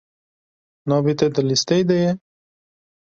Navê te di lîsteyê de ye?